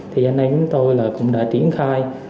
thì anh em chúng tôi cũng đã triển khai